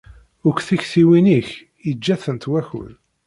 Akk tiktiwin-ik yeǧǧa-tent wakud.